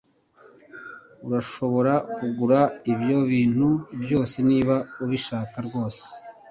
urashobora kugura ibyo bintu byose niba ubishaka rwose